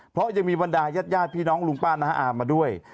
เพราะยังมีบรรดายาดพี่น้องลุงป้าน้าอามมาด้วย